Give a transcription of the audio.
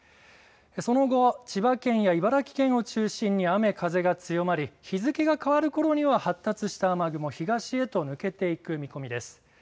その後、千葉県や茨城県を中心に雨風が強まり日付が変わるころには発達した雨雲、東へと抜けていく見込みです。